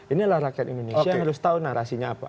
inilah rakyat indonesia yang harus tahu narasinya apa